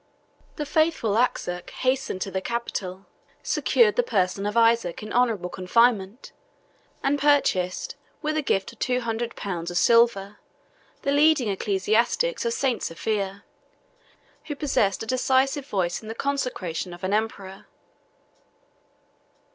The faithful Axuch hastened to the capital, secured the person of Isaac in honorable confinement, and purchased, with a gift of two hundred pounds of silver, the leading ecclesiastics of St. Sophia, who possessed a decisive voice in the consecration of an emperor.